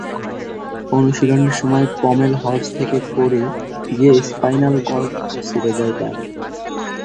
অনুশীলনের সময় pommel horse থেকে পড়ে গিয়ে স্পাইনাল কর্ড ছিঁড়ে যায় তাঁর।